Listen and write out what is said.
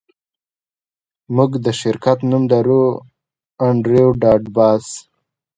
موږ د شرکت نوم لرو انډریو ډاټ باس